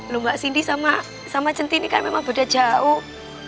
lu mbak sinti sama cintin ini kan memang beda jauh